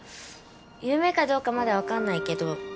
夢かどうかまだ分かんないけど。